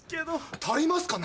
足りますかね？